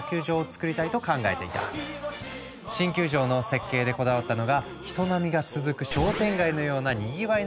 新球場の設計でこだわったのが人波が続く商店街のようなにぎわいのある空間。